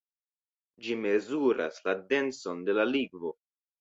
Ĝi mezuras la denson de la likvo.